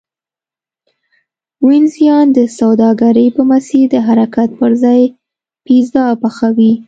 وینزیان د سوداګرۍ په مسیر د حرکت پرځای پیزا پخوي